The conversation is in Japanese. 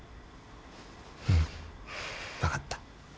うん分かった